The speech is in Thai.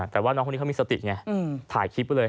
แต่ว่าน้องคนนี้เขามีสติไงถ่ายคลิปไว้เลย